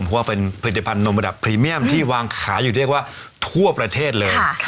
เพราะว่าเป็นผลิตภัณฑนมระดับพรีเมียมที่วางขายอยู่เรียกว่าทั่วประเทศเลย